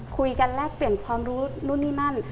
คุยกันและเปลี่ยนความรู้นู่นนี่นั่น